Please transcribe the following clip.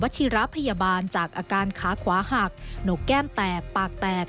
ชิระพยาบาลจากอาการขาขวาหักหนกแก้มแตกปากแตก